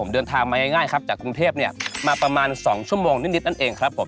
เดินทางมาง่ายครับจากกรุงเทพมาประมาณ๒ชั่วโมงนิดนั่นเองครับผม